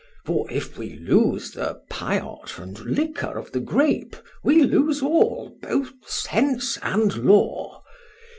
For if we lose the piot and liquor of the grape, we lose all, both sense and law.